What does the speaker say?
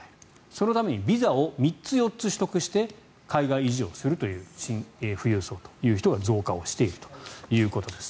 そのためにビザを３つ、４つ取得して海外移住をするというシン富裕層という人が増加をしているということです。